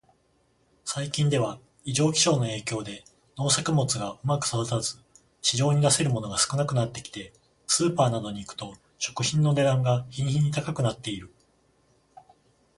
最近では、異常気象の影響で農作物がうまく育たず、市場に出せるものが少なくなってきて、スーパーなどに行くと食品の値段が日に日に高くなっている。